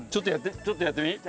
ちょっとやってみ？